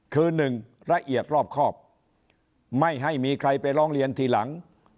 คือหนึ่งละเอียดรอบครอบไม่ให้มีใครไปร้องเรียนทีหลัง